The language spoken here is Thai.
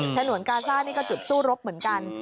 ฉนวนกาซ่านี่ก็จุดสู้รบเหมือนกัน